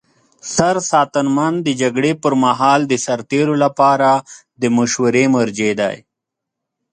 سرساتنمن د جګړې پر مهال د سرتیرو لپاره د مشورې مرجع دی.